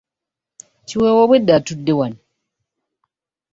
Kiweewa obwedda atudde wano.